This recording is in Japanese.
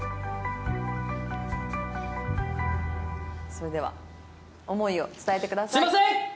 それでは思いを伝えてください。